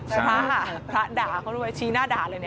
พระอาวุธกคะขับด่าเขาด้วยชี้หน้าด่าเลยทีไหม